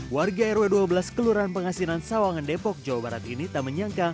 warga rw dua belas kelurahan pengasinan sawangan depok jawa barat ini tak menyangka